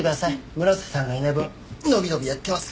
村瀬さんがいない分伸び伸びやってますから。